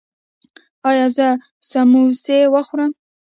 ایا زه سموسې وخورم؟